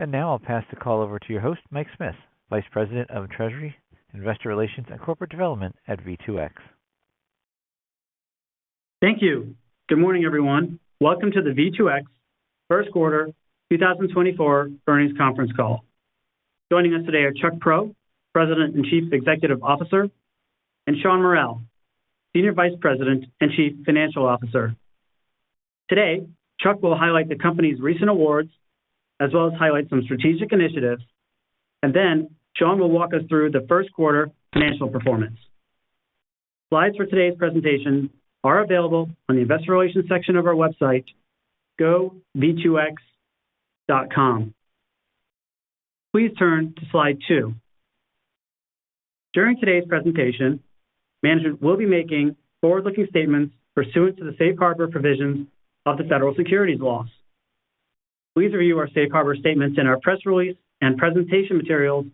And now I'll pass the call over to your host, Mike Smith, Vice President of Treasury, Investor Relations, and Corporate Development at V2X. Thank you. Good morning, everyone. Welcome to the V2X First Quarter 2024 Earnings Conference Call. Joining us today are Chuck Prow, President and Chief Executive Officer, and Shawn Mural, Senior Vice President and Chief Financial Officer. Today, Chuck will highlight the company's recent awards as well as highlight some strategic initiatives, and then Shawn will walk us through the first quarter financial performance. Slides for today's presentation are available on the Investor Relations section of our website, gov2x.com. Please turn to slide Two. During today's presentation, management will be making forward-looking statements pursuant to the Safe Harbor provisions of the Federal Securities Laws. Please review our Safe Harbor statements in our press release and presentation materials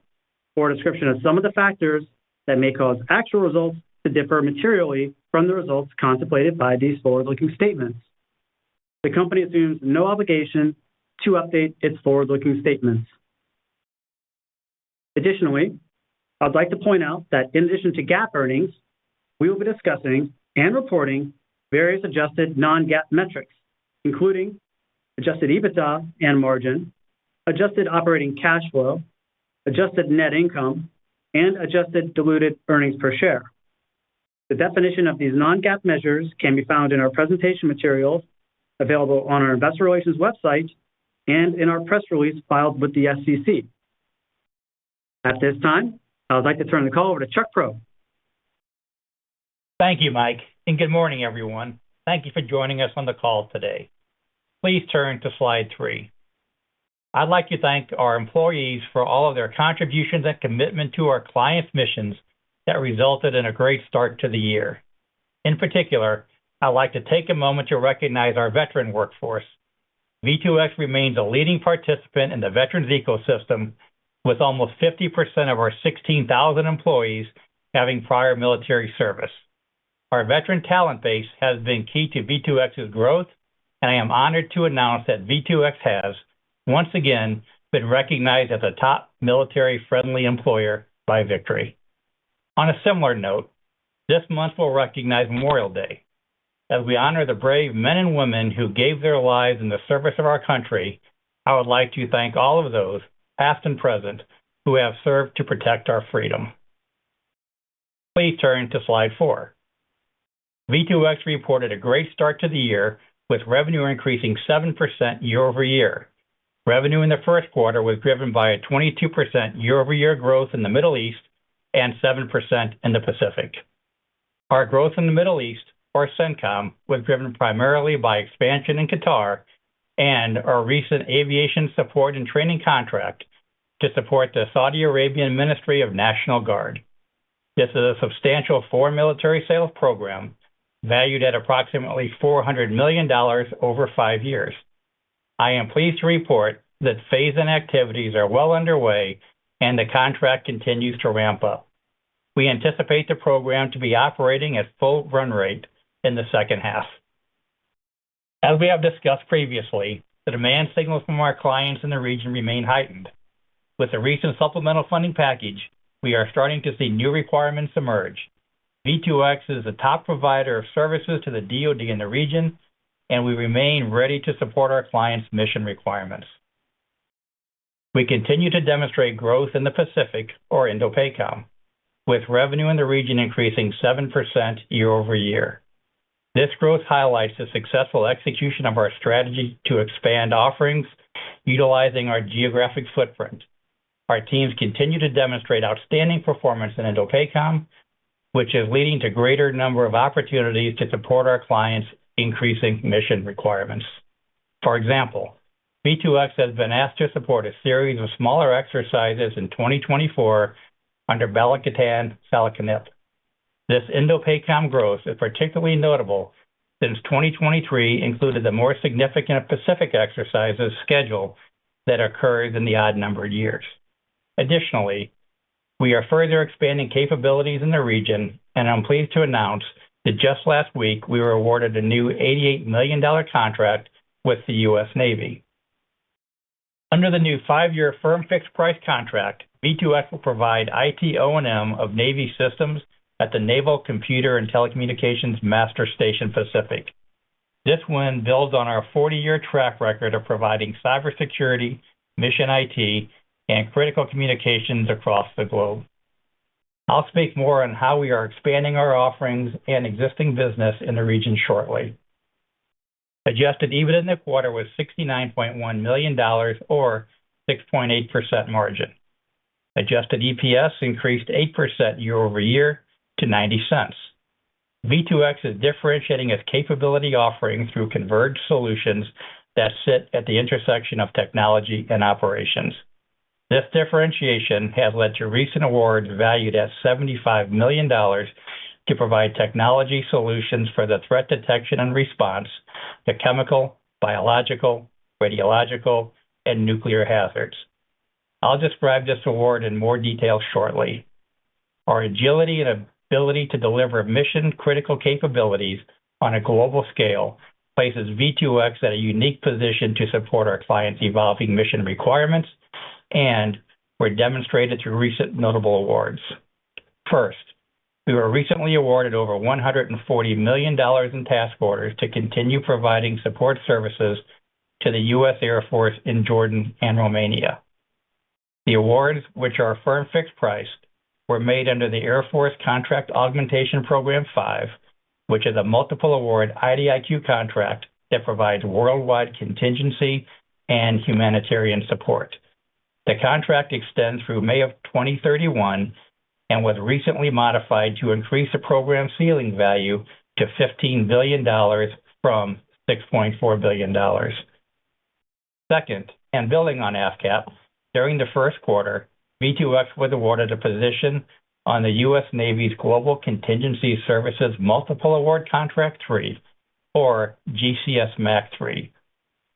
for a description of some of the factors that may cause actual results to differ materially from the results contemplated by these forward-looking statements. The company assumes no obligation to update its forward-looking statements. Additionally, I'd like to point out that in addition to GAAP earnings, we will be discussing and reporting various adjusted non-GAAP metrics, including adjusted EBITDA and margin, adjusted operating cash flow, adjusted net income, and adjusted diluted earnings per share. The definition of these non-GAAP measures can be found in our presentation materials available on our Investor Relations website and in our press release filed with the SEC. At this time, I'd like to turn the call over to Chuck Prow. Thank you, Mike, and good morning, everyone. Thank you for joining us on the call today. Please turn to slide three. I'd like to thank our employees for all of their contributions and commitment to our client's missions that resulted in a great start to the year. In particular, I'd like to take a moment to recognize our veteran workforce. V2X remains a leading participant in the veterans ecosystem, with almost 50% of our 16,000 employees having prior military service. Our veteran talent base has been key to V2X's growth, and I am honored to announce that V2X has, once again, been recognized as the top military-friendly employer by VIQTORY. On a similar note, this month we'll recognize Memorial Day. As we honor the brave men and women who gave their lives in the service of our country, I would like to thank all of those, past and present, who have served to protect our freedom. Please turn to slide four. V2X reported a great start to the year, with revenue increasing 7% year-over-year. Revenue in the first quarter was driven by a 22% year-over-year growth in the Middle East and 7% in the Pacific. Our growth in the Middle East, or CENTCOM, was driven primarily by expansion in Qatar and our recent aviation support and training contract to support the Saudi Arabian Ministry of National Guard. This is a substantial foreign military sales program valued at approximately $400 million over five years. I am pleased to report that phase-in activities are well underway and the contract continues to ramp up. We anticipate the program to be operating at full run rate in the second half. As we have discussed previously, the demand signals from our clients in the region remain heightened. With the recent supplemental funding package, we are starting to see new requirements emerge. V2X is the top provider of services to the DOD in the region, and we remain ready to support our clients' mission requirements. We continue to demonstrate growth in the Pacific, or INDOPACOM, with revenue in the region increasing 7% year-over-year. This growth highlights the successful execution of our strategy to expand offerings utilizing our geographic footprint. Our teams continue to demonstrate outstanding performance in INDOPACOM, which is leading to a greater number of opportunities to support our clients' increasing mission requirements. For example, V2X has been asked to support a series of smaller exercises in 2024 under Balikatan-Salaknib. This INDOPACOM growth is particularly notable since 2023 included the more significant Pacific exercises schedule that occurs in the odd number of years. Additionally, we are further expanding capabilities in the region, and I'm pleased to announce that just last week we were awarded a new $88 million contract with the U.S. Navy. Under the new five-year firm-fixed price contract, V2X will provide IT O&M of Navy systems at the Naval Computer and Telecommunications Master Station Pacific. This win builds on our 40-year track record of providing cybersecurity, mission IT, and critical communications across the globe. I'll speak more on how we are expanding our offerings and existing business in the region shortly. Adjusted EBITDA in the quarter was $69.1 million, or 6.8% margin. Adjusted EPS increased 8% year-over-year to $0.90. V2X is differentiating its capability offerings through converged solutions that sit at the intersection of technology and operations. This differentiation has led to recent awards valued at $75 million to provide technology solutions for the threat detection and response to chemical, biological, radiological, and nuclear hazards. I'll describe this award in more detail shortly. Our agility and ability to deliver mission-critical capabilities on a global scale places V2X at a unique position to support our clients' evolving mission requirements, and we're demonstrated through recent notable awards. First, we were recently awarded over $140 million in task orders to continue providing support services to the U.S. Air Force in Jordan and Romania. The awards, which are firm-fixed-price, were made under the Air Force Contract Augmentation Program V, which is a multiple-award IDIQ contract that provides worldwide contingency and humanitarian support. The contract extends through May of 2031 and was recently modified to increase the program ceiling value to $15 billion from $6.4 billion. Second, building on AFCAP, during the first quarter, V2X was awarded a position on the U.S. Navy's Global Contingency Services Multiple Award Contract III, or GCS MAC III.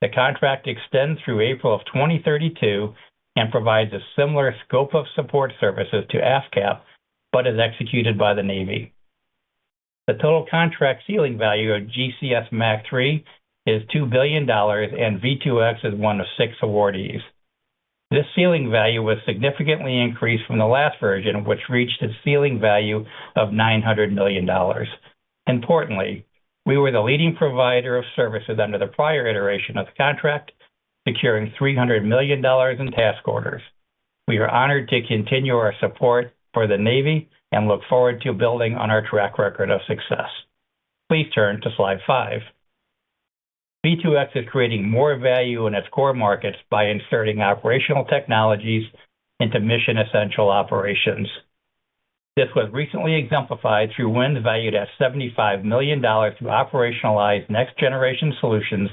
The contract extends through April of 2032 and provides a similar scope of support services to AFCAP but is executed by the Navy. The total contract ceiling value of GCS MAC III is $2 billion, and V2X is one of six awardees. This ceiling value was significantly increased from the last version, which reached its ceiling value of $900 million. Importantly, we were the leading provider of services under the prior iteration of the contract, securing $300 million in task orders. We are honored to continue our support for the Navy and look forward to building on our track record of success. Please turn to slide five. V2X is creating more value in its core markets by inserting operational technologies into mission-essential operations. This was recently exemplified through wins valued at $75 million to operationalize next-generation solutions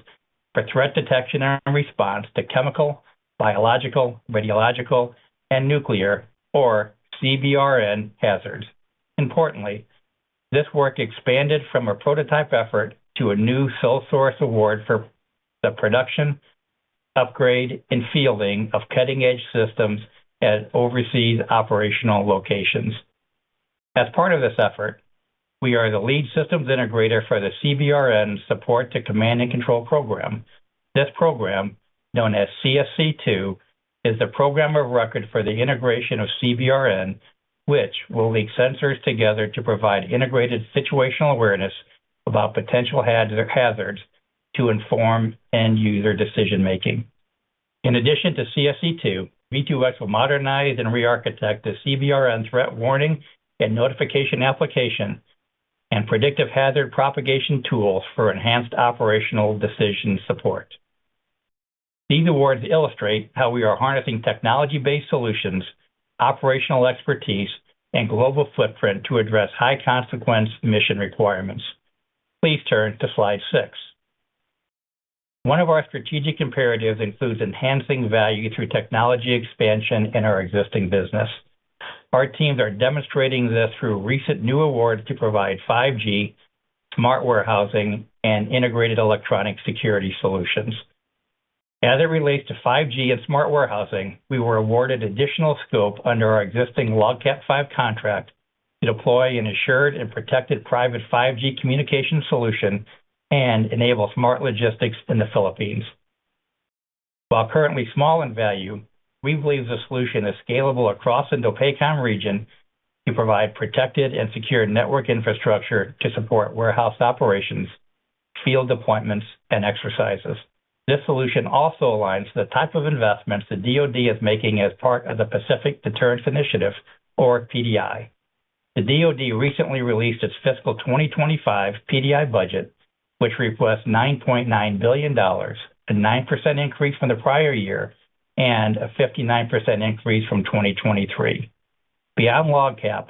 for threat detection and response to chemical, biological, radiological, and nuclear, or CBRN, hazards. Importantly, this work expanded from a prototype effort to a new sole-source award for the production, upgrade, and fielding of cutting-edge systems at overseas operational locations. As part of this effort, we are the lead systems integrator for the CBRN Support to Command and Control Program. This program, known as CSC2, is the program of record for the integration of CBRN, which will link sensors together to provide integrated situational awareness about potential hazards to inform end-user decision-making. In addition to CSC2, V2X will modernize and re-architect the CBRN Threat Warning and Notification Application and Predictive Hazard Propagation tools for enhanced operational decision support. These awards illustrate how we are harnessing technology-based solutions, operational expertise, and global footprint to address high-consequence mission requirements. Please turn to slide six. One of our strategic imperatives includes enhancing value through technology expansion in our existing business. Our teams are demonstrating this through recent new awards to provide 5G, smart warehousing, and integrated electronic security solutions. As it relates to 5G and smart warehousing, we were awarded additional scope under our existing LOGCAP V contract to deploy an assured and protected private 5G communications solution and enable smart logistics in the Philippines. While currently small in value, we believe the solution is scalable across the INDOPACOM region to provide protected and secure network infrastructure to support warehouse operations, field appointments, and exercises. This solution also aligns with the type of investments the DOD is making as part of the Pacific Deterrence Initiative, or PDI. The DOD recently released its fiscal 2025 PDI budget, which requests $9.9 billion, a 9% increase from the prior year, and a 59% increase from 2023. Beyond LOGCAP,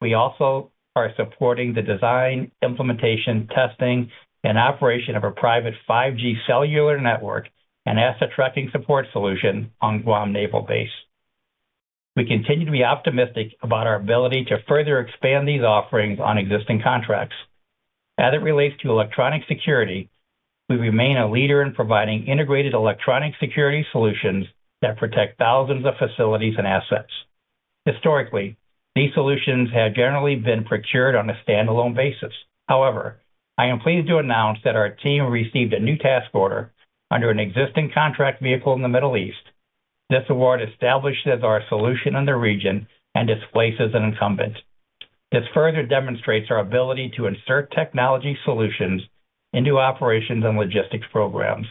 we also are supporting the design, implementation, testing, and operation of a private 5G cellular network and asset tracking support solution on Guam Naval Base. We continue to be optimistic about our ability to further expand these offerings on existing contracts. As it relates to electronic security, we remain a leader in providing integrated electronic security solutions that protect thousands of facilities and assets. Historically, these solutions have generally been procured on a standalone basis. However, I am pleased to announce that our team received a new task order under an existing contract vehicle in the Middle East. This award establishes our solution in the region and displaces an incumbent. This further demonstrates our ability to insert technology solutions into operations and logistics programs.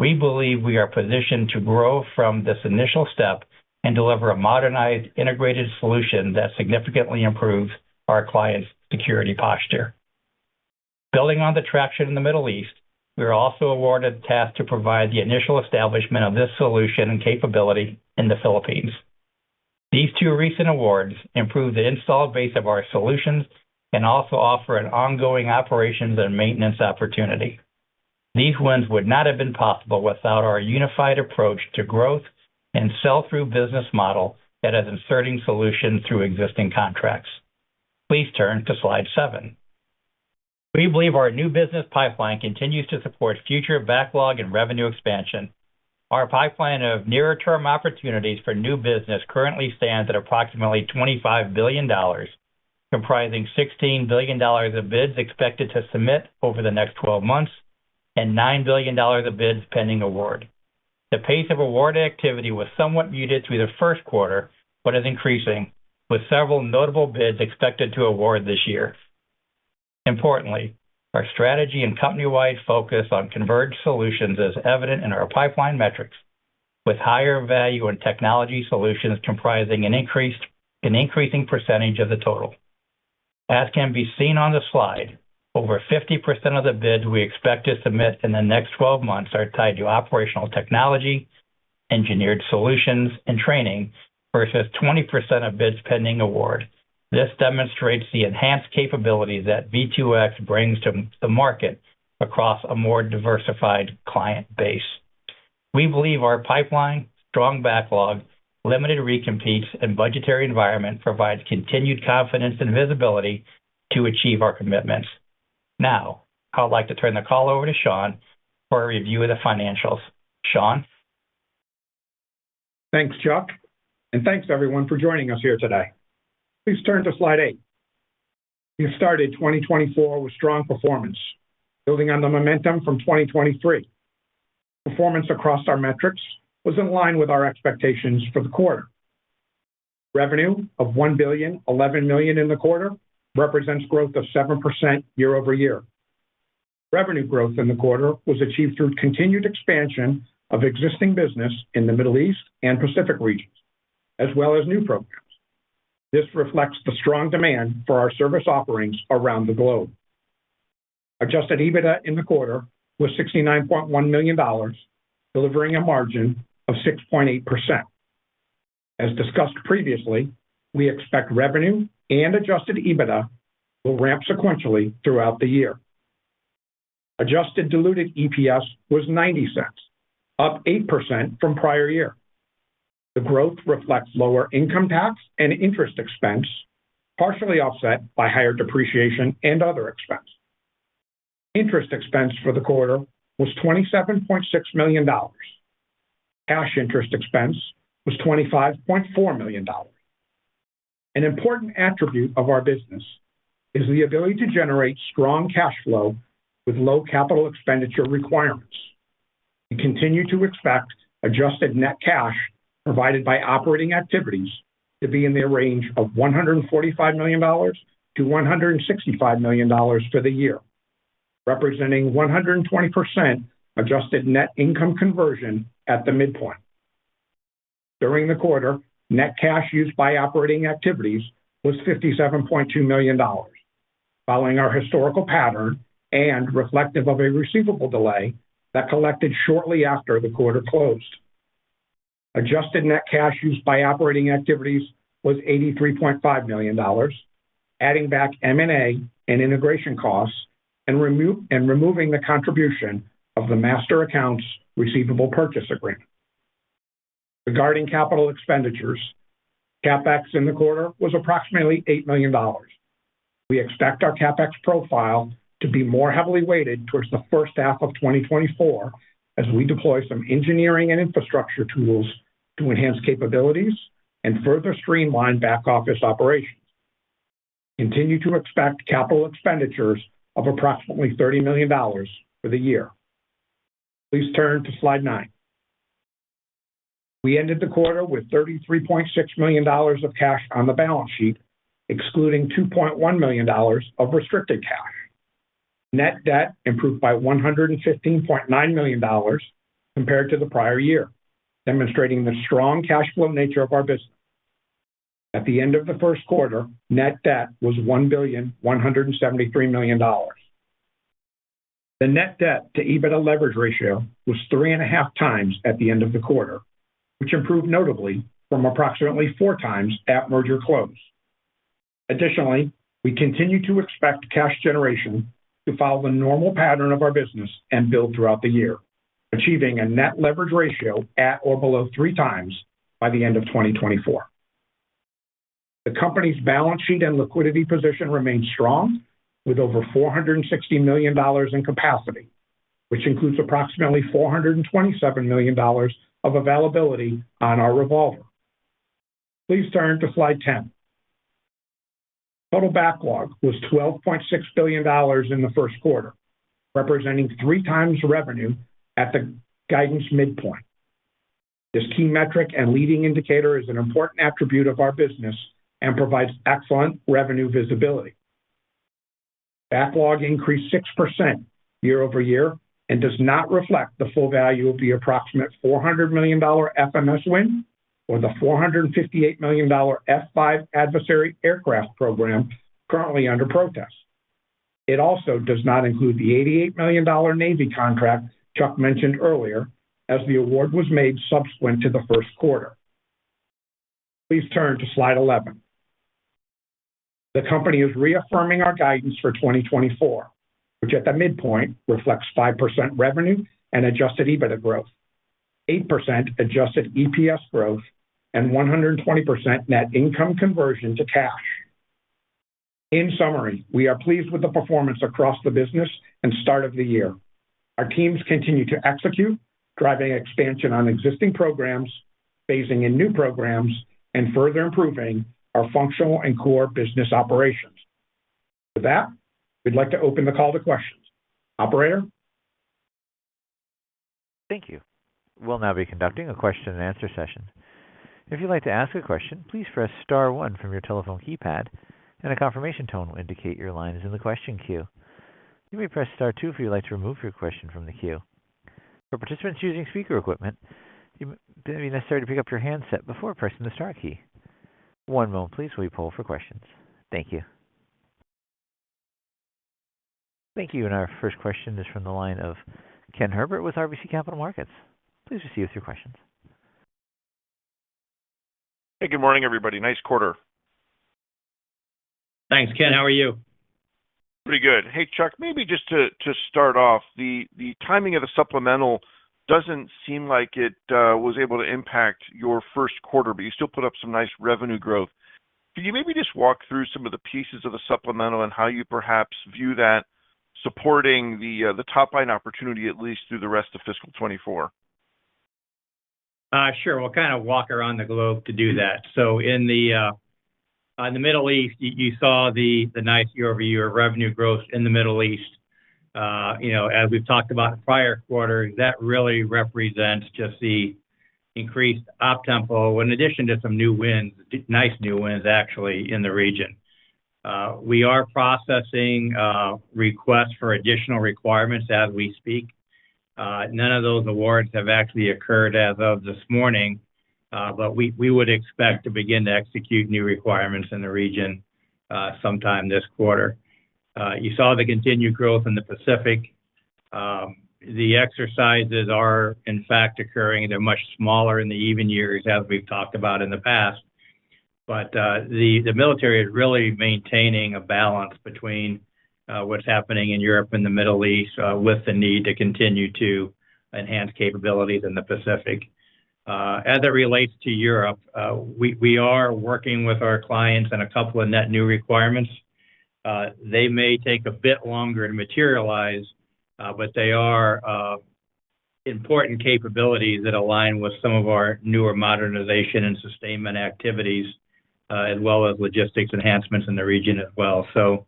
We believe we are positioned to grow from this initial step and deliver a modernized, integrated solution that significantly improves our clients' security posture. Building on the traction in the Middle East, we were also awarded the task to provide the initial establishment of this solution and capability in the Philippines. These two recent awards improve the installed base of our solutions and also offer an ongoing operations and maintenance opportunity. These wins would not have been possible without our unified approach to growth and sell-through business model that is inserting solutions through existing contracts. Please turn to slide seven. We believe our new business pipeline continues to support future backlog and revenue expansion. Our pipeline of nearer-term opportunities for new business currently stands at approximately $25 billion, comprising $16 billion of bids expected to submit over the next 12 months and $9 billion of bids pending award. The pace of award activity was somewhat muted through the first quarter but is increasing, with several notable bids expected to award this year. Importantly, our strategy and company-wide focus on converged solutions is evident in our pipeline metrics, with higher value in technology solutions comprising an increasing percentage of the total. As can be seen on the slide, over 50% of the bids we expect to submit in the next 12 months are tied to operational technology, engineered solutions, and training versus 20% of bids pending award. This demonstrates the enhanced capabilities that V2X brings to the market across a more diversified client base. We believe our pipeline, strong backlog, limited recompetes, and budgetary environment provide continued confidence and visibility to achieve our commitments. Now, I'd like to turn the call over to Shawn for a review of the financials. Shawn. Thanks, Chuck. Thanks, everyone, for joining us here today. Please turn to slide eight. We have started 2024 with strong performance, building on the momentum from 2023. Performance across our metrics was in line with our expectations for the quarter. Revenue of $1 billion $11 million in the quarter represents growth of 7% year-over-year. Revenue growth in the quarter was achieved through continued expansion of existing business in the Middle East and Pacific regions, as well as new programs. This reflects the strong demand for our service offerings around the globe. Adjusted EBITDA in the quarter was $69.1 million, delivering a margin of 6.8%. As discussed previously, we expect revenue and adjusted EBITDA will ramp sequentially throughout the year. Adjusted diluted EPS was $0.90, up 8% from prior year. The growth reflects lower income tax and interest expense, partially offset by higher depreciation and other expense. Interest expense for the quarter was $27.6 million. Cash interest expense was $25.4 million. An important attribute of our business is the ability to generate strong cash flow with low capital expenditure requirements. We continue to expect adjusted net cash provided by operating activities to be in the range of $145 million-$165 million for the year, representing 120% adjusted net income conversion at the midpoint. During the quarter, net cash used by operating activities was $57.2 million, following our historical pattern and reflective of a receivable delay that collected shortly after the quarter closed. Adjusted net cash used by operating activities was $83.5 million, adding back M&A and integration costs and removing the contribution of the Master Accounts Receivable Purchase Agreement. Regarding capital expenditures, CapEx in the quarter was approximately $8 million. We expect our CapEx profile to be more heavily weighted towards the first half of 2024 as we deploy some engineering and infrastructure tools to enhance capabilities and further streamline back-office operations. Continue to expect capital expenditures of approximately $30 million for the year. Please turn to slide nine. We ended the quarter with $33.6 million of cash on the balance sheet, excluding $2.1 million of restricted cash. Net debt improved by $115.9 million compared to the prior year, demonstrating the strong cash flow nature of our business. At the end of the first quarter, net debt was $1.173 billion. The net debt-to-EBITDA leverage ratio was 3.5x at the end of the quarter, which improved notably from approximately 4x at merger close. Additionally, we continue to expect cash generation to follow the normal pattern of our business and build throughout the year, achieving a net leverage ratio at or below 3x by the end of 2024. The company's balance sheet and liquidity position remains strong, with over $460 million in capacity, which includes approximately $427 million of availability on our revolver. Please turn to slide 10. Total backlog was $12.6 billion in the first quarter, representing 3x revenue at the guidance midpoint. This key metric and leading indicator is an important attribute of our business and provides excellent revenue visibility. Backlog increased 6% year-over-year and does not reflect the full value of the approximate $400 million FMS win or the $458 million F-5 Adversary aircraft program currently under protest. It also does not include the $88 million Navy contract Chuck mentioned earlier, as the award was made subsequent to the first quarter. Please turn to slide 11. The company is reaffirming our guidance for 2024, which at the midpoint reflects 5% revenue and adjusted EBITDA growth, 8% adjusted EPS growth, and 120% net income conversion to cash. In summary, we are pleased with the performance across the business and start of the year. Our teams continue to execute, driving expansion on existing programs, phasing in new programs, and further improving our functional and core business operations. With that, we'd like to open the call to questions. Operator. Thank you. We'll now be conducting a question-and-answer session. If you'd like to ask a question, please press star one from your telephone keypad, and a confirmation tone will indicate your line is in the question queue. You may press star two if you'd like to remove your question from the queue. For participants using speaker equipment, it may be necessary to pick up your handset before pressing the star key. One moment, please, while we pull for questions. Thank you. Thank you. Our first question is from the line of Ken Herbert with RBC Capital Markets. Please proceed with your question. Hey, good morning, everybody. Nice quarter. Thanks, Ken. How are you? Pretty good. Hey, Chuck, maybe just to start off, the timing of the supplemental doesn't seem like it was able to impact your first quarter, but you still put up some nice revenue growth. Can you maybe just walk through some of the pieces of the supplemental and how you perhaps view that supporting the top-line opportunity, at least through the rest of fiscal 2024? Sure. We'll kind of walk around the globe to do that. In the Middle East, you saw the nice year-over-year revenue growth in the Middle East. As we've talked about in prior quarters, that really represents just the increased OPTEMPO in addition to some new wins, nice new wins, actually, in the region. We are processing requests for additional requirements as we speak. None of those awards have actually occurred as of this morning, but we would expect to begin to execute new requirements in the region sometime this quarter. You saw the continued growth in the Pacific. The exercises are, in fact, occurring. They're much smaller in the even years as we've talked about in the past. But the military is really maintaining a balance between what's happening in Europe and the Middle East with the need to continue to enhance capabilities in the Pacific. As it relates to Europe, we are working with our clients on a couple of net new requirements. They may take a bit longer to materialize, but they are important capabilities that align with some of our newer modernization and sustainment activities as well as logistics enhancements in the region as well. So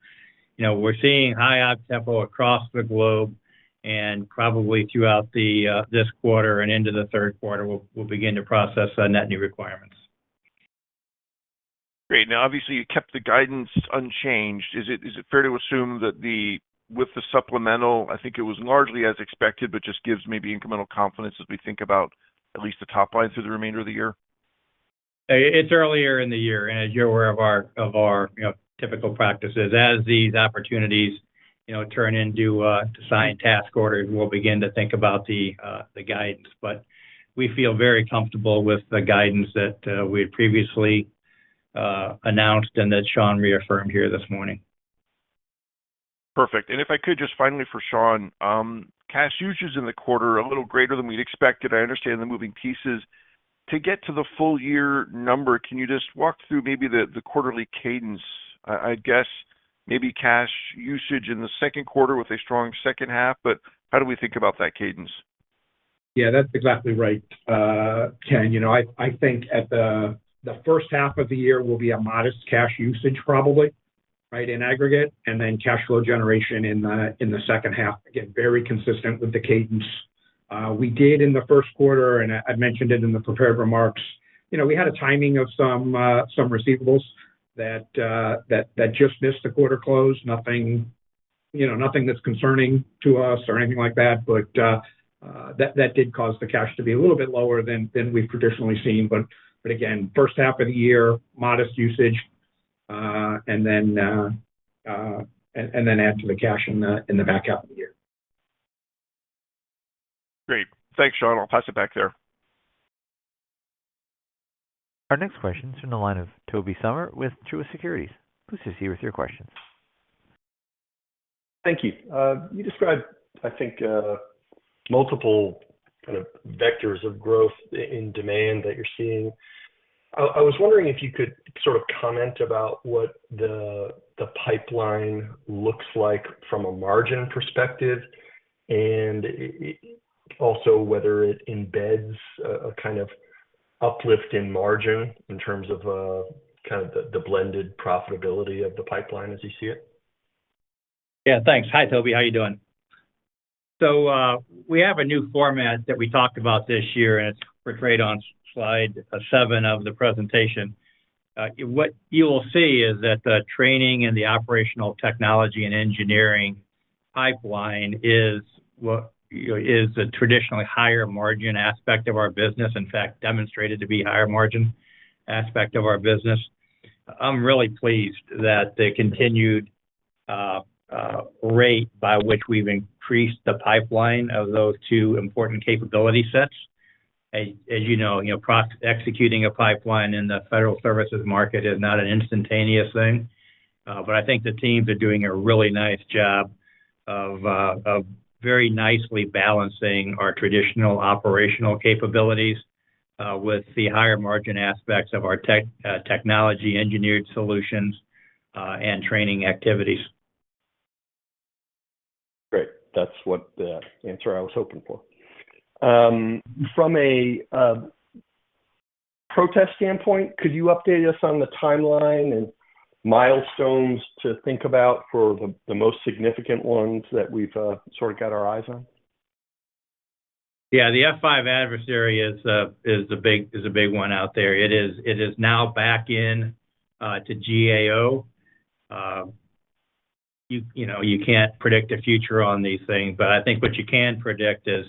we're seeing high OPTEMPO across the globe, and probably throughout this quarter and into the third quarter, we'll begin to process net new requirements. Great. Now, obviously, you kept the guidance unchanged. Is it fair to assume that with the supplemental, I think it was largely as expected, but just gives maybe incremental confidence as we think about at least the top line through the remainder of the year? It's earlier in the year. As you're aware of our typical practices, as these opportunities turn into signed task orders, we'll begin to think about the guidance. But we feel very comfortable with the guidance that we had previously announced and that Shawn reaffirmed here this morning. Perfect. If I could, just finally for Shawn, cash usage in the quarter, a little greater than we'd expected. I understand the moving pieces. To get to the full-year number, can you just walk through maybe the quarterly cadence? I guess maybe cash usage in the second quarter with a strong second half, but how do we think about that cadence? Yeah, that's exactly right, Ken. I think at the first half of the year, we'll be a modest cash usage, probably, right, in aggregate, and then cash flow generation in the second half, again, very consistent with the cadence. We did in the first quarter, and I mentioned it in the prepared remarks, we had a timing of some receivables that just missed the quarter close, nothing that's concerning to us or anything like that. But that did cause the cash to be a little bit lower than we've traditionally seen. But again, first half of the year, modest usage, and then add to the cash in the back half of the year. Great. Thanks, Shawn. I'll pass it back there. Our next question's from the line of Tobey Sommer with Truist Securities. Please proceed with your questions. Thank you. You described, I think, multiple kind of vectors of growth in demand that you're seeing. I was wondering if you could sort of comment about what the pipeline looks like from a margin perspective and also whether it embeds a kind of uplift in margin in terms of kind of the blended profitability of the pipeline as you see it. Yeah, thanks. Hi, Tobey. How are you doing? So we have a new format that we talked about this year, and it's portrayed on slide seven of the presentation. What you will see is that the training and the operational technology and engineering pipeline is a traditionally higher margin aspect of our business, in fact, demonstrated to be a higher margin aspect of our business. I'm really pleased that the continued rate by which we've increased the pipeline of those two important capability sets. As you know, executing a pipeline in the federal services market is not an instantaneous thing. But I think the teams are doing a really nice job of very nicely balancing our traditional operational capabilities with the higher margin aspects of our technology-engineered solutions and training activities. Great. That's the answer I was hoping for. From a protest standpoint, could you update us on the timeline and milestones to think about for the most significant ones that we've sort of got our eyes on? Yeah, the F-5 Adversary is a big one out there. It is now back into GAO. You can't predict the future on these things, but I think what you can predict is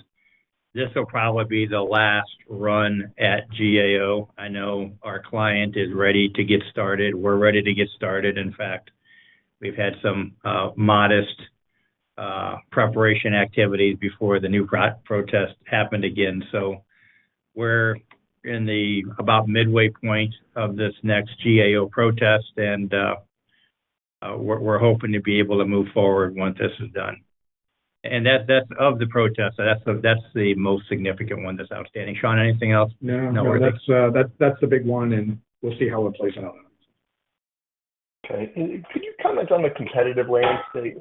this will probably be the last run at GAO. I know our client is ready to get started. We're ready to get started. In fact, we've had some modest preparation activities before the new protest happened again. So we're in about midway point of this next GAO protest, and we're hoping to be able to move forward once this is done. And that's of the protest. That's the most significant one that's outstanding. Shawn, anything else? No. No, that's the big one, and we'll see how it plays out. Okay. And could you comment on the competitive landscape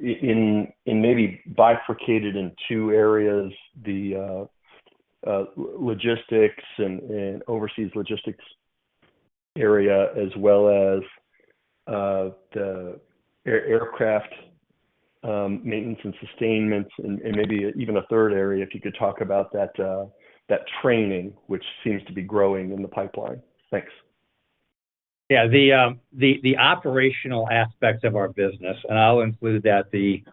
and maybe bifurcate it in two areas, the logistics and overseas logistics area as well as the aircraft maintenance and sustainment, and maybe even a third area if you could talk about that training, which seems to be growing in the pipeline? Thanks. Yeah, the operational aspects of our business, and I'll include that, the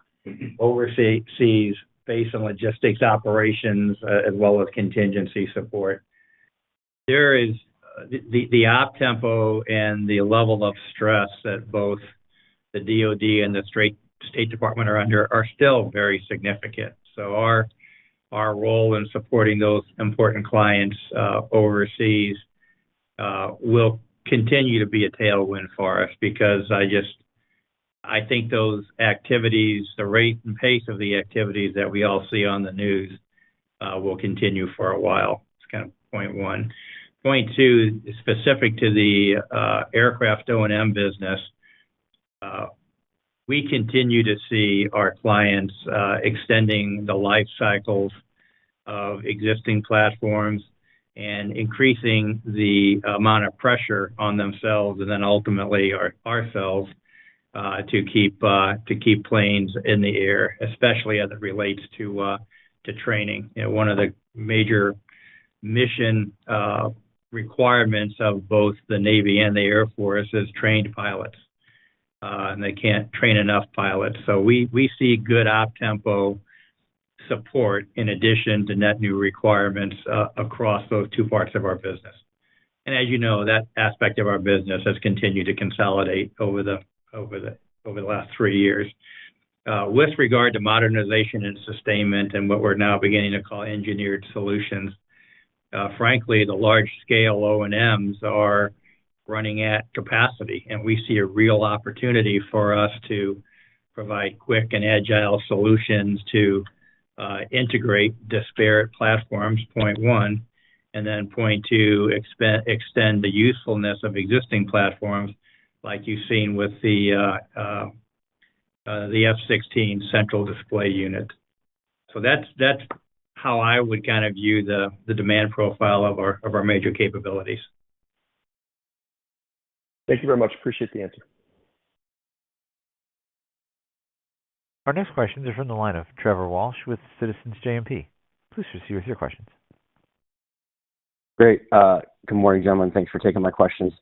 overseas base and logistics operations as well as contingency support, the OPTEMPO and the level of stress that both the DOD and the State Department are under are still very significant. So our role in supporting those important clients overseas will continue to be a tailwind for us because I think those activities, the rate and pace of the activities that we all see on the news, will continue for a while. That's kind of point one. Point two, specific to the aircraft O&M business, we continue to see our clients extending the life cycles of existing platforms and increasing the amount of pressure on themselves and then ultimately ourselves to keep planes in the air, especially as it relates to training. One of the major mission requirements of both the Navy and the Air Force is trained pilots, and they can't train enough pilots. So we see good OPTEMPO support in addition to net new requirements across those two parts of our business. And as you know, that aspect of our business has continued to consolidate over the last 3 years. With regard to modernization and sustainment and what we're now beginning to call engineered solutions, frankly, the large-scale O&Ms are running at capacity, and we see a real opportunity for us to provide quick and agile solutions to integrate disparate platforms, point one, and then point two, extend the usefulness of existing platforms like you've seen with the F-16 central display unit. So that's how I would kind of view the demand profile of our major capabilities. Thank you very much. Appreciate the answer. Our next questions are from the line of Trevor Walsh with Citizens JMP. Please proceed with your questions. Great. Good morning, gentlemen. Thanks for taking my questions.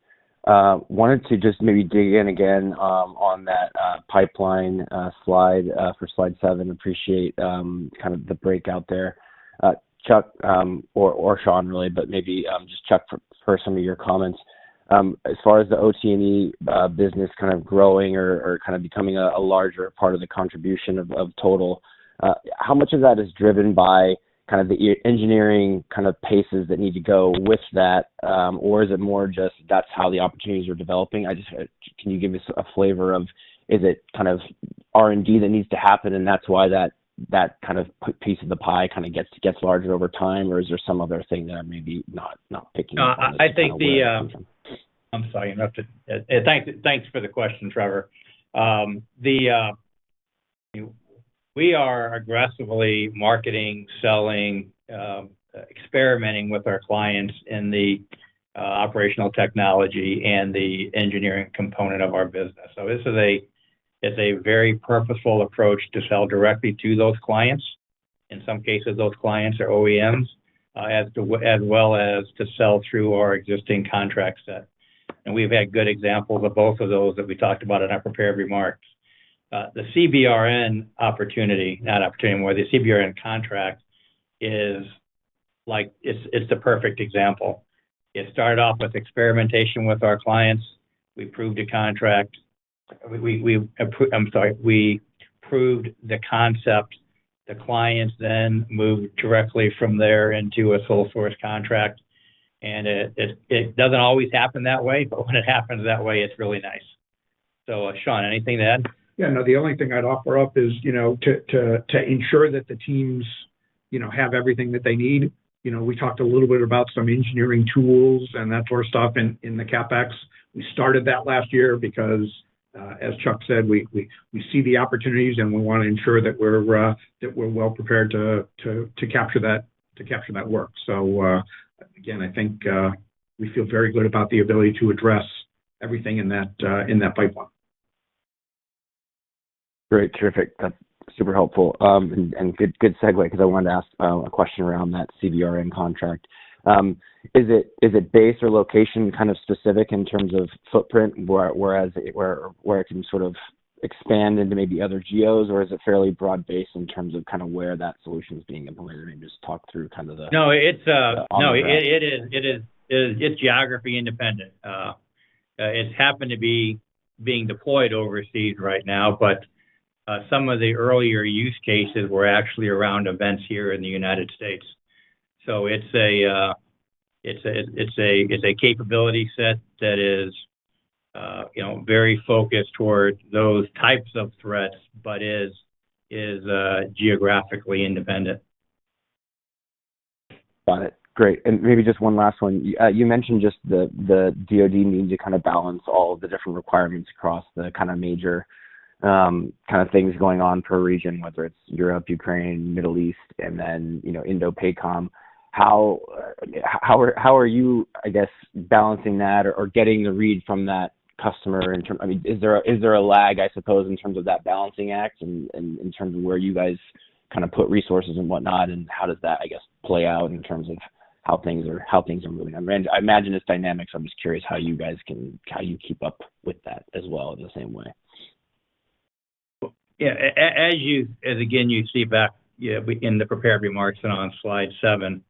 Wanted to just maybe dig in again on that pipeline slide for slide seven. Appreciate kind of the break out there, Chuck or Shawn, really, but maybe just Chuck for some of your comments. As far as the OT&E business kind of growing or kind of becoming a larger part of the contribution of total, how much of that is driven by kind of the engineering kind of paces that need to go with that, or is it more just that's how the opportunities are developing? Can you give us a flavor of is it kind of R&D that needs to happen, and that's why that kind of piece of the pie kind of gets larger over time, or is there some other thing that I'm maybe not picking up on this? I think the I'm sorry. Interrupted. Thanks for the question, Trevor. We are aggressively marketing, selling, experimenting with our clients in the operational technology and the engineering component of our business. So this is a very purposeful approach to sell directly to those clients. In some cases, those clients are OEMs as well as to sell through our existing contract set. And we've had good examples of both of those that we talked about in our prepared remarks. The CBRN opportunity, not opportunity, more the CBRN contract, it's the perfect example. It started off with experimentation with our clients. We proved a contract. I'm sorry. We proved the concept. The clients then moved directly from there into a sole-source contract. And it doesn't always happen that way, but when it happens that way, it's really nice. So Shawn, anything to add? Yeah. No, the only thing I'd offer up is to ensure that the teams have everything that they need. We talked a little bit about some engineering tools and that sort of stuff in the CapEx. We started that last year because, as Chuck said, we see the opportunities, and we want to ensure that we're well prepared to capture that work. So again, I think we feel very good about the ability to address everything in that pipeline. Great. Terrific. That's super helpful and good segue because I wanted to ask a question around that CBRN contract. Is it base or location kind of specific in terms of footprint, whereas where it can sort of expand into maybe other geos, or is it fairly broad base in terms of kind of where that solution's being implemented? Maybe just talk through kind of the No, it is. No, it is. It's geography-independent. It's happened to be being deployed overseas right now, but some of the earlier use cases were actually around events here in the United States. So it's a capability set that is very focused toward those types of threats but is geographically independent. Got it. Great. And maybe just one last one. You mentioned just the DOD needs to kind of balance all of the different requirements across the kind of major kind of things going on per region, whether it's Europe, Ukraine, Middle East, and then INDOPACOM. How are you, I guess, balancing that or getting the read from that customer in terms of I mean, is there a lag, I suppose, in terms of that balancing act and in terms of where you guys kind of put resources and whatnot? And how does that, I guess, play out in terms of how things are moving? I imagine it's dynamic. So I'm just curious how you guys can how you keep up with that as well in the same way. Yeah. Again, you see back in the prepared remarks and on slide seven,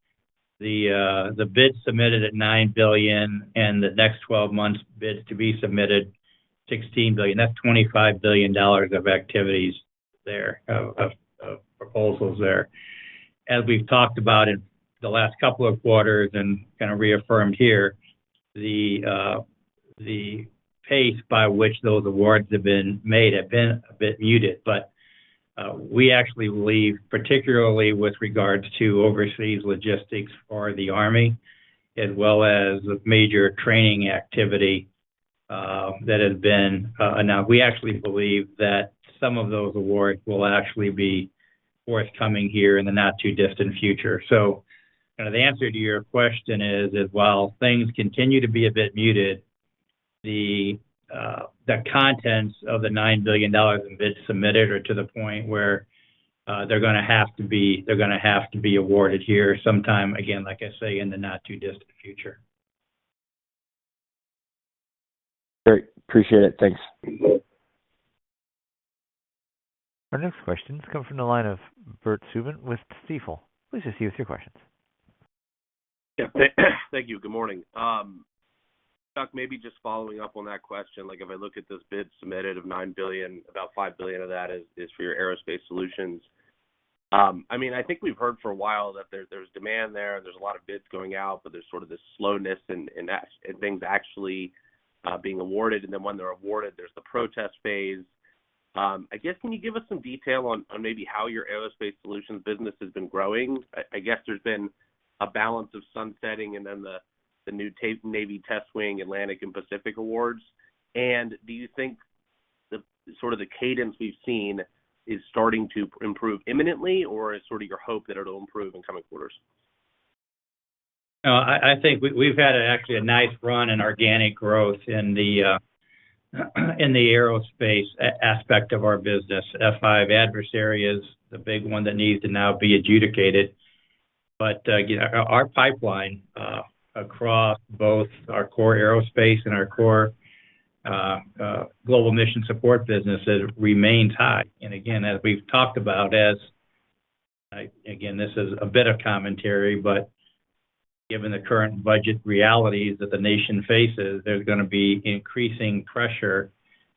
the bids submitted at $9 billion and the next 12 months bids to be submitted, $16 billion. That's $25 billion of activities there, of proposals there. As we've talked about in the last couple of quarters and kind of reaffirmed here, the pace by which those awards have been made have been a bit muted. But we actually believe, particularly with regards to overseas logistics for the Army as well as major training activity that has been announced, we actually believe that some of those awards will actually be forthcoming here in the not-too-distant future. So kind of the answer to your question is, while things continue to be a bit muted, the contents of the $9 billion and bids submitted are to the point where they're going to have to be they're going to have to be awarded here sometime, again, like I say, in the not-too-distant future. Great. Appreciate it. Thanks. Our next question's come from the line of Bert Subin with Stifel. Please proceed with your questions. Yeah. Thank you. Good morning. Chuck, maybe just following up on that question. If I look at those bids submitted of $9 billion, about $5 billion of that is for your aerospace solutions. I mean, I think we've heard for a while that there's demand there, and there's a lot of bids going out, but there's sort of this slowness in things actually being awarded. And then when they're awarded, there's the protest phase. I guess, can you give us some detail on maybe how your aerospace solutions business has been growing? I guess there's been a balance of sunsetting and then the new Navy Test Wing, Atlantic, and Pacific awards. And do you think sort of the cadence we've seen is starting to improve imminently, or is sort of your hope that it'll improve in coming quarters? No, I think we've had actually a nice run and organic growth in the aerospace aspect of our business. F-5 Adversary is the big one that needs to now be adjudicated. But our pipeline across both our core aerospace and our core global mission support businesses remains high. And again, as we've talked about, as again, this is a bit of commentary, but given the current budget realities that the nation faces, there's going to be increasing pressure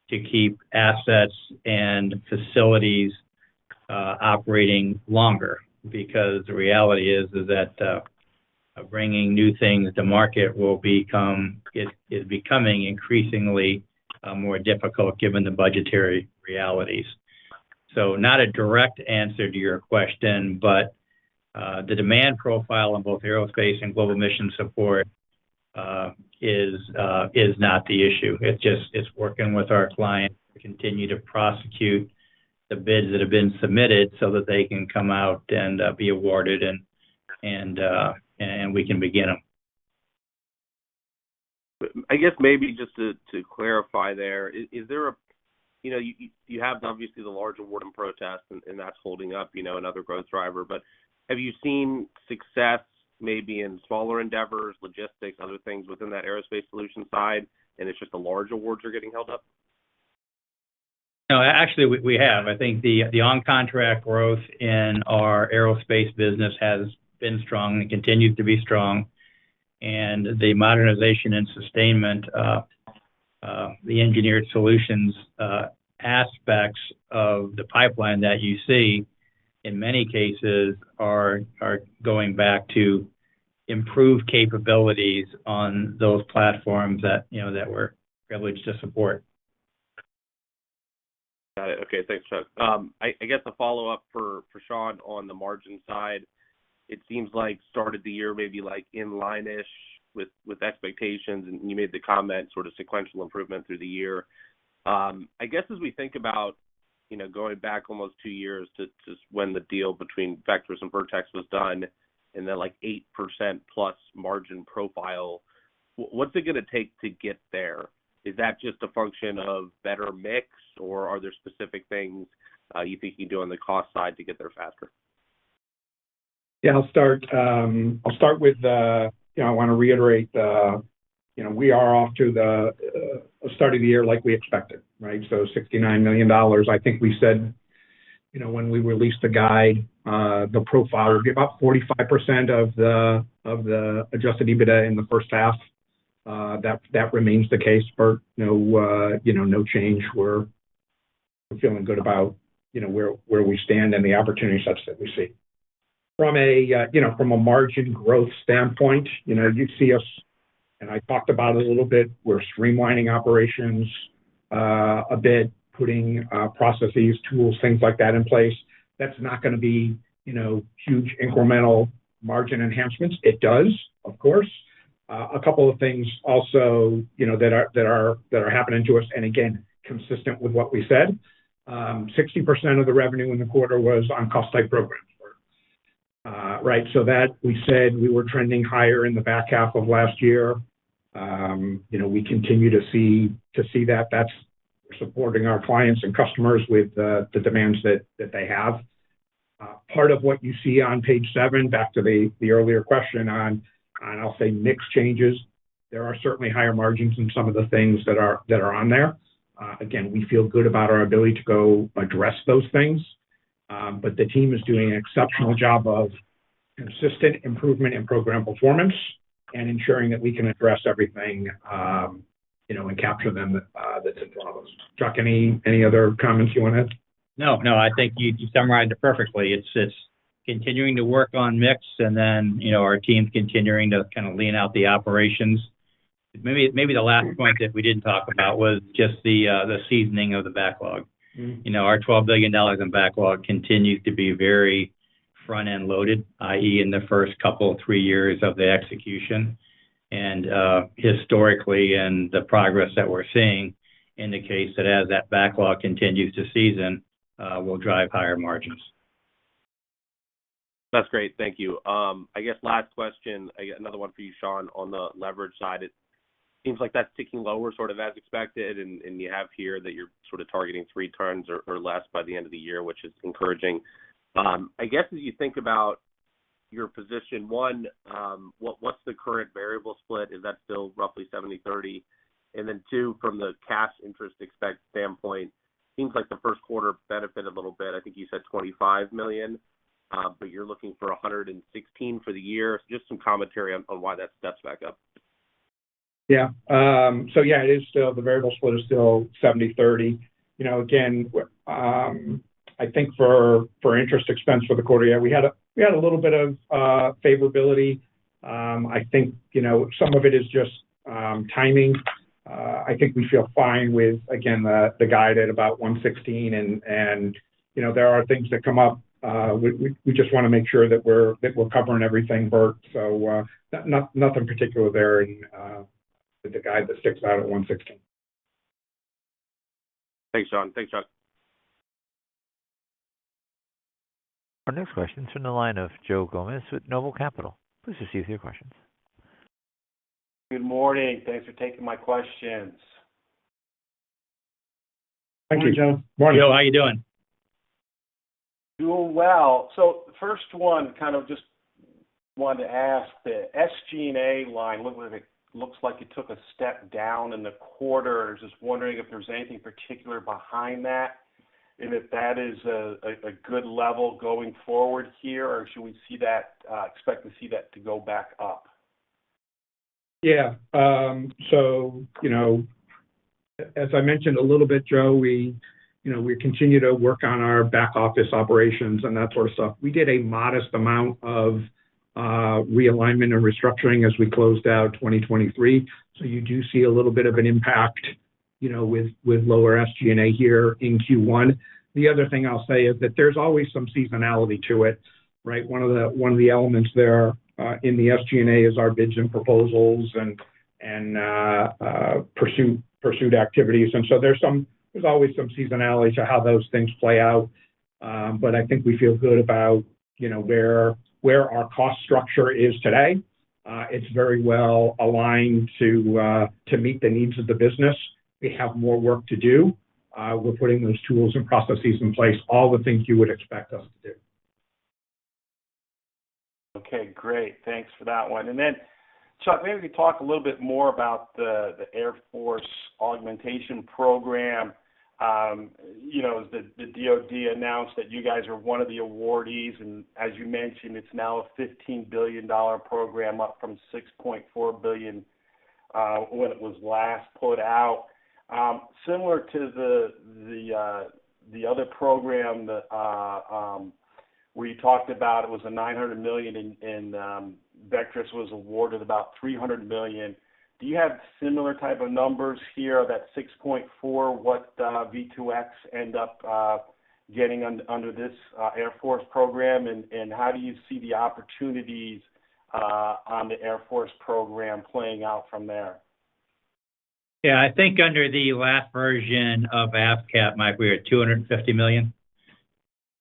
to keep assets and facilities operating longer because the reality is that bringing new things to market is becoming increasingly more difficult given the budgetary realities. So not a direct answer to your question, but the demand profile in both aerospace and global mission support is not the issue. It's working with our clients to continue to prosecute the bids that have been submitted so that they can come out and be awarded, and we can begin them. I guess maybe just to clarify there, is there a you have obviously the large award and protest, and that's holding up, another growth driver. But have you seen success maybe in smaller endeavors, logistics, other things within that aerospace solution side, and it's just the large awards are getting held up? No, actually, we have. I think the on-contract growth in our aerospace business has been strong and continues to be strong. The modernization and sustainment, the engineered solutions aspects of the pipeline that you see, in many cases, are going back to improve capabilities on those platforms that we're privileged to support. Got it. Okay. Thanks, Chuck. I guess a follow-up for Shawn on the margin side. It seems like started the year maybe in line-ish with expectations, and you made the comment sort of sequential improvement through the year. I guess as we think about going back almost two years to when the deal between Vectrus and Vertex was done and then 8%+ margin profile, what's it going to take to get there? Is that just a function of better mix, or are there specific things you think you can do on the cost side to get there faster? Yeah. I'll start with, I want to reiterate, we are off to a start of the year like we expected, right? So $69 million, I think we said when we released the guide, the profile, we'll give about 45% of the adjusted EBITDA in the first half. That remains the case, but no change. We're feeling good about where we stand and the opportunity such that we see. From a margin growth standpoint, you see us, and I talked about it a little bit, we're streamlining operations a bit, putting processes, tools, things like that in place. That's not going to be huge incremental margin enhancements. It does, of course. A couple of things also that are happening to us and again, consistent with what we said, 60% of the revenue in the quarter was on cost-type programs, right? So we said we were trending higher in the back half of last year. We continue to see that. We're supporting our clients and customers with the demands that they have. Part of what you see on page seven, back to the earlier question on, I'll say, mix changes, there are certainly higher margins in some of the things that are on there. Again, we feel good about our ability to go address those things. But the team is doing an exceptional job of consistent improvement in program performance and ensuring that we can address everything and capture them that's in front of us. Chuck, any other comments you want to add? No, no. I think you summarized it perfectly. It's continuing to work on mix, and then our team's continuing to kind of lean out the operations. Maybe the last point that we didn't talk about was just the seasoning of the backlog. Our $12 billion in backlog continues to be very front-end loaded, i.e., in the first couple, three years of the execution. And historically, and the progress that we're seeing indicates that as that backlog continues to season, we'll drive higher margins. That's great. Thank you. I guess last question, another one for you, Shawn, on the leverage side. It seems like that's ticking lower sort of as expected, and you have here that you're sort of targeting three turns or less by the end of the year, which is encouraging. I guess as you think about your position, one, what's the current variable split? Is that still roughly 70/30? And then two, from the cash interest expect standpoint, it seems like the first quarter benefited a little bit. I think you said $25 million, but you're looking for $116 million for the year. Just some commentary on why that steps back up. Yeah. So yeah, it is still the variable split is still 70/30. Again, I think for interest expense for the quarter, yeah, we had a little bit of favorability. I think some of it is just timing. I think we feel fine with, again, the guide at about $116 million. And there are things that come up. We just want to make sure that we're covering everything, Bert. So nothing particular there in the guide that sticks out at 116. Thanks, Shawn. Thanks, Chuck. Our next question's from the line of Joe Gomes with Noble Capital. Please proceed with your questions. Good morning. Thanks for taking my questions. Thank you. Morning, Joe. Morning. Joe, how you doing? Doing well. So first one, kind of just wanted to ask the SG&A line, looked like it took a step down in the quarter. I was just wondering if there's anything particular behind that and if that is a good level going forward here, or should we expect to see that to go back up? Yeah. So as I mentioned a little bit, Joe, we continue to work on our back office operations and that sort of stuff. We did a modest amount of realignment and restructuring as we closed out 2023. So you do see a little bit of an impact with lower SG&A here in Q1. The other thing I'll say is that there's always some seasonality to it, right? One of the elements there in the SG&A is our bids and proposals and pursued activities. And so there's always some seasonality to how those things play out. But I think we feel good about where our cost structure is today. It's very well aligned to meet the needs of the business. We have more work to do. We're putting those tools and processes in place, all the things you would expect us to do. Okay. Great. Thanks for that one. And then, Chuck, maybe we could talk a little bit more about the Air Force Augmentation Program. The DOD announced that you guys are one of the awardees. As you mentioned, it's now a $15 billion program, up from $6.4 billion when it was last put out. Similar to the other program where you talked about, it was a $900 million, and Vectrus was awarded about $300 million. Do you have similar type of numbers here? That 6.4, what V2X end up getting under this Air Force program? And how do you see the opportunities on the Air Force program playing out from there? Yeah. I think under the last version of AFCAP, Mike, we were at $250 million.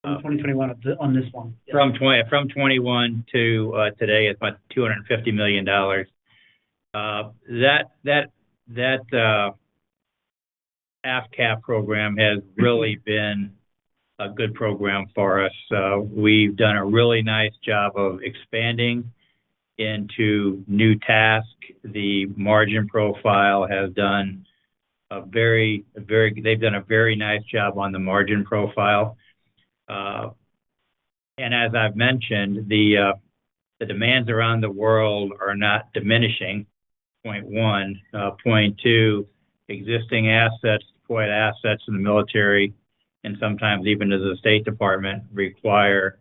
From 2021 on this one. From 2021 to today, it's about $250 million. That AFCAP program has really been a good program for us. We've done a really nice job of expanding into new tasks. They've done a very nice job on the margin profile. As I've mentioned, the demands around the world are not diminishing. Point one. Point two, existing assets, deployed assets in the military, and sometimes even as a state department, require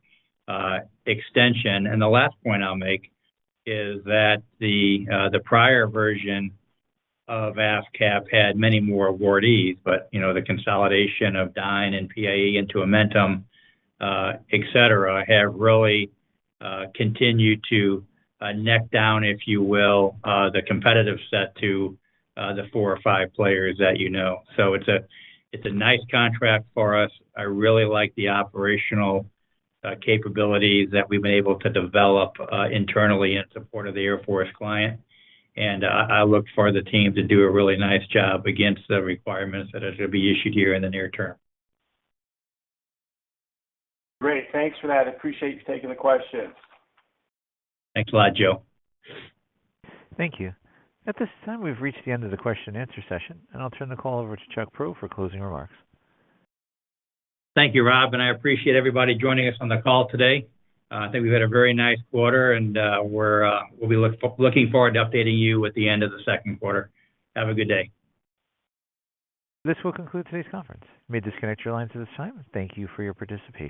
extension. The last point I'll make is that the prior version of AFCAP had many more awardees. But the consolidation of Dyn and PAE into Amentum, etc., have really continued to neck down, if you will, the competitive set to the four or five players that you know. So it's a nice contract for us. I really like the operational capabilities that we've been able to develop internally in support of the Air Force client. And I look for the team to do a really nice job against the requirements that are going to be issued here in the near term. Great. Thanks for that. Appreciate you taking the questions. Thanks a lot, Joe. Thank you. At this time, we've reached the end of the question-and-answer session, and I'll turn the call over to Chuck Prow for closing remarks. Thank you, Rob. And I appreciate everybody joining us on the call today. I think we've had a very nice quarter, and we'll be looking forward to updating you at the end of the second quarter. Have a good day. This will conclude today's conference. May I disconnect your lines at this time? Thank you for your participation.